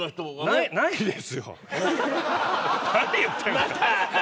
何言っているんですか。